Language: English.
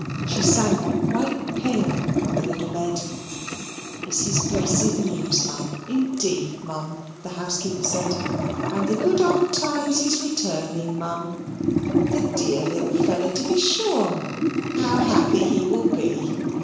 She sank quite pale on the little bed. "This is blessed news, m'am indeed, m'am," the housekeeper said; "and the good old times is returning, m'am. The dear little feller, to be sure, m'am; how happy he will be!